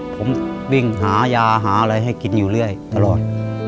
ผมวิ่งหายาหาอะไรให้กินอยู่เรื่อยตลอด